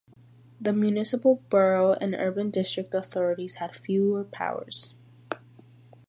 The municipal borough and urban district authorities had fewer powers.